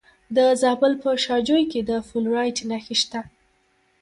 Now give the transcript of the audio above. د زابل په شاجوی کې د فلورایټ نښې شته.